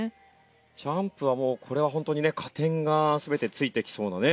ジャンプはもうこれは本当にね加点が全て付いてきそうなね